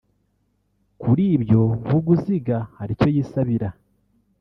kuri ibyo Vuguziga hari icyo yisabira